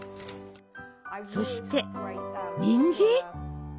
そしてにんじん？